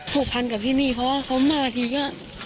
ผูกพันกับที่นี่เพราะว่าเขามาทีก็